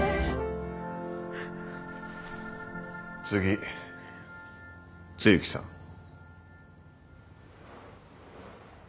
次露木さん。